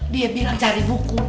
dia bilang cari buku